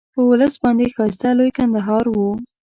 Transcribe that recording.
په ولس باندې ښایسته لوی کندهار وو.